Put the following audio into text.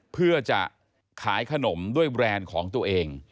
เพื่อจะขายขนมด้วยแบรนด์ของตัวเอง